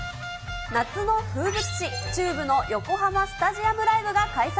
夏の風物詩、ＴＵＢＥの横浜スタジアムライブが開催。